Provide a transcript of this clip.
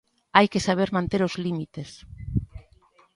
Hai que saber manter os límites.